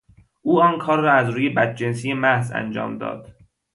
او آن کار را از روی بدجنسی محض انجام داد.